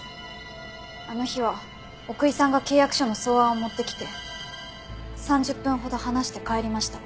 あの日は奥居さんが契約書の草案を持ってきて３０分ほど話して帰りました。